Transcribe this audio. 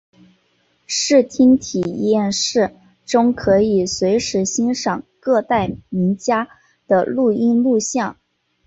视听体验室中可以随时欣赏各代名家的录音录像。